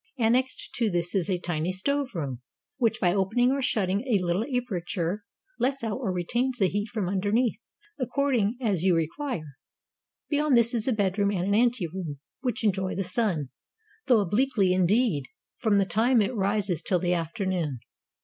Annexed to this is a tiny stoveroom, which, by opening or shutting a little aperture, lets out or retains the heat from underneath, according as you re quire. Beyond this lie a bedroom and anteroom, which enjoy the sun, though obliquely indeed, from the time it rises till the afternoon.